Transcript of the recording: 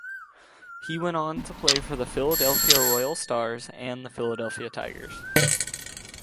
He went on to play for the Philadelphia Royal Stars and the Philadelphia Tigers.